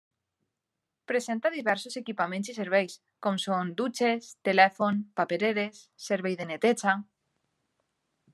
Presenta diversos equipaments i serveis, com són dutxes, telèfon, papereres, servei de neteja…